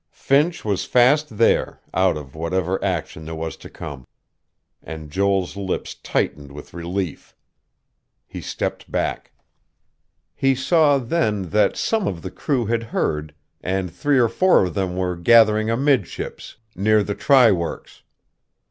Finch was fast there, out of whatever action there was to come. And Joel's lips tightened with relief. He stepped back.... He saw, then, that some of the crew had heard, and three or four of them were gathering amidships, near the try works.